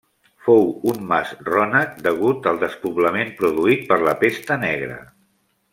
Fou un mas rònec degut el despoblament produït per la pesta negra.